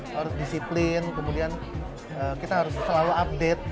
harus disiplin kemudian kita harus selalu update